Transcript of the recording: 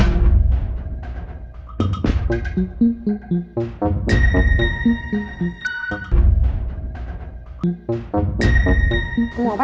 supaya lo disalahin sama satu sekolah